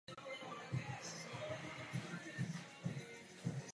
Nesmí však vést k podkopávání ústavně zaručených práv evropských občanů.